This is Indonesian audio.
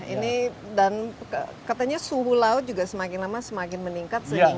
ini dan katanya suhu laut juga semakin lama semakin meningkat